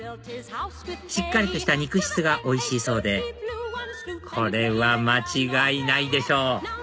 しっかりとした肉質がおいしいそうでこれは間違いないでしょ！